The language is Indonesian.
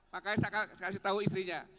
makanya saya kasih tahu istrinya